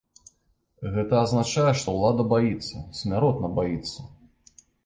Гэта азначае, што ўлада баіцца, смяротна баіцца.